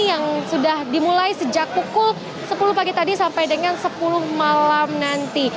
yang sudah dimulai sejak pukul sepuluh pagi tadi sampai dengan sepuluh malam nanti